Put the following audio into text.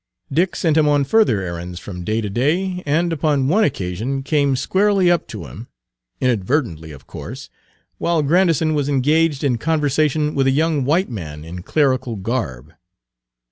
Dick sent him on further errands from day to day, and upon one occasion came squarely up to him inadvertently of course while Grandison was engaged in conversation with a young white man in clerical garb.